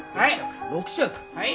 はい。